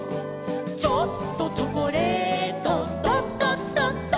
「ちょっとチョコレート」「ドドドド」